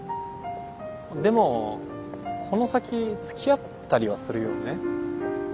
でもこの先付き合ったりはするよね？